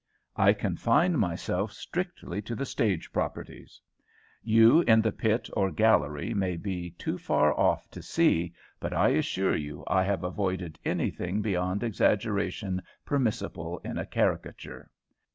I confine myself strictly to the stage properties. You in the pit or gallery may be too far off to see, but I assure you I have avoided anything beyond the exaggeration permissible in a caricature.